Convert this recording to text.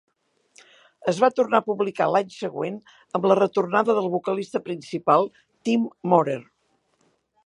Es va tornar a publicar l"any següent amb la retornada del vocalista principal Tim Maurer.